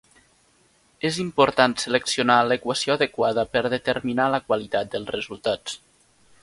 És important seleccionar l'equació adequada per determinar la qualitat dels resultats.